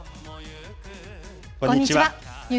こんにちは。